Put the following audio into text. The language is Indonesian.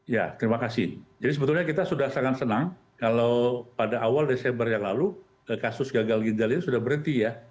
ya terima kasih jadi sebetulnya kita sudah sangat senang kalau pada awal desember yang lalu kasus gagal ginjal ini sudah berhenti ya